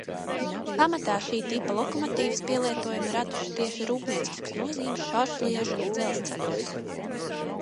Pamatā šī tipa lokomotīves pielietojumu radušas tieši rūpnieciskas nozīmes šaursliežu dzelzceļos.